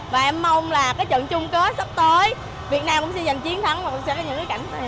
và em mong là cái trận chung kết sắp tới việt nam cũng sẽ giành chiến thắng và cũng sẽ có những cái cảnh này